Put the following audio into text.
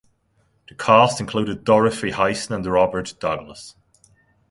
The cast included Dorothy Hyson and Robert Douglas.